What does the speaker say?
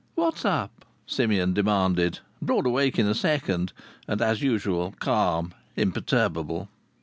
"What's up?" Simeon demanded, broad awake in a second, and, as usual, calm, imperturbable.